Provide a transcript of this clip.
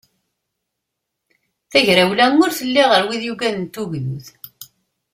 Tagrawla ur telli ɣur wid yugaden tugdut.